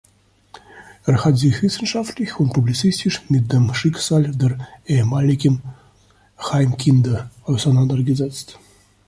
Er hat sich wissenschaftlich und publizistisch mit dem Schicksal der ehemaligen Heimkinder auseinandergesetzt.